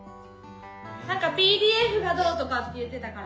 なんかＰＤＦがどうとかって言ってたから。